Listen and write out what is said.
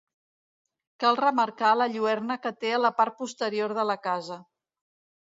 Cal remarcar la lluerna que té a la part posterior de la casa.